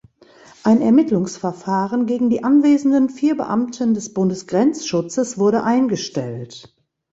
Ein Ermittlungsverfahren gegen die anwesenden vier Beamten des Bundesgrenzschutzes wurde eingestellt.